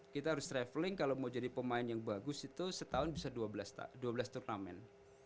kita harus traveling kalau mau jadi pemain yang bagus itu setahun bisa dua belas turnamen